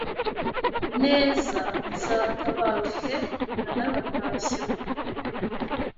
Neza nzatabaruke ntanabatashyeho